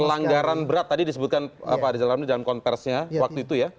pelanggaran berat tadi disebutkan pak rizal ramli dalam konversinya waktu itu ya